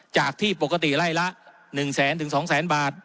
จากที่ปกติไร่ละ๑แสนถึง๒๐๐๐บาท